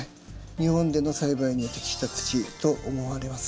日本での栽培に適した土と思われます。